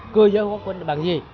cơ giới hóa quân đội bằng gì